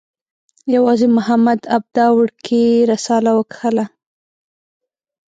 یوازې محمد عبده وړکۍ رساله وکښله.